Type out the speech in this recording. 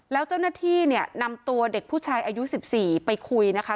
แล้วเจ้าหน้าที่เนี่ยนำตัวเด็กผู้ชายอายุ๑๔ไปคุยนะคะ